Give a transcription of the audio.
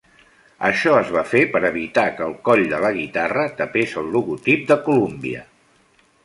Això es va fer per evitar que el coll de la guitarra tapés el logotip de Columbia.